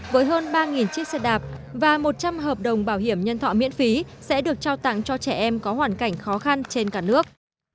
với hơn ba chiếc xe đạp và một trăm linh hợp đồng bảo hiểm nhân thọ miễn phí sẽ được trao tặng cho trẻ em có hoàn cảnh khó khăn trên cả nước